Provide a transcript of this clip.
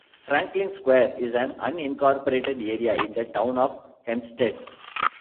Franklin Square is an unincorporated area in the Town of Hempstead.